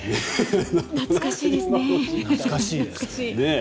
懐かしいですね。